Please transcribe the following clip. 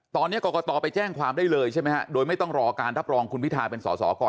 ตอนนี้กรกตไปแจ้งความได้เลยใช่ไหมฮะโดยไม่ต้องรอการรับรองคุณพิทาเป็นสอสอก่อน